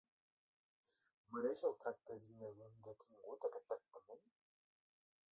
Mereix el tracte digne d'un detingut aquest tractament?